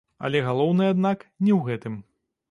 Але галоўнае, аднак, не ў гэтым.